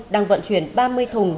đang vận chuyển ba mươi thùng